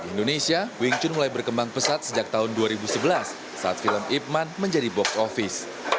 di indonesia wing chun mulai berkembang pesat sejak tahun dua ribu sebelas saat film ipman menjadi box office